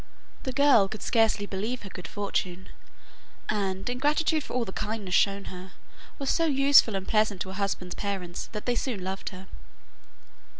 The girl could scarcely believe her good fortune, and, in gratitude for all the kindness shown her, was so useful and pleasant to her husband's parents that they soon loved her.